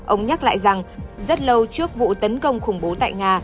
ông nhắc lại rằng rất lâu trước vụ tấn công khủng bố tại nga